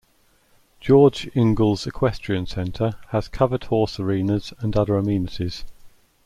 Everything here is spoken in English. George Ingalls Equestrian center has covered horse arenas and other amenities.